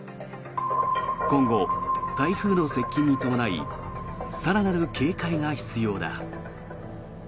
今後、台風の接近に伴い更なる警戒が必要だ。